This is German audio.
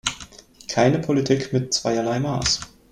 Keine Politik mit zweierlei Maß.